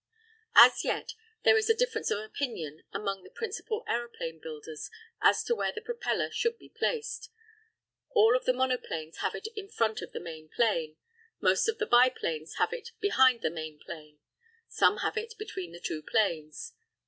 As yet, there is a difference of opinion among the principal aeroplane builders as to where the propeller should be placed. All of the monoplanes have it in front of the main plane. Most of the biplanes have it behind the main plane; some have it between the two planes.